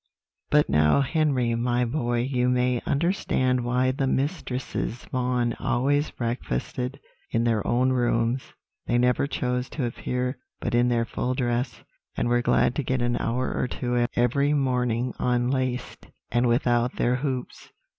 But now, Henry, my boy, you may understand why the Mistresses Vaughan always breakfasted in their own rooms; they never chose to appear but in their full dress, and were glad to get an hour or two every morning unlaced, and without their hoops.